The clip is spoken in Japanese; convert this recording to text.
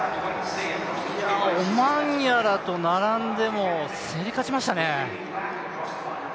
オマンヤラと並んでも、競り勝ちましたね。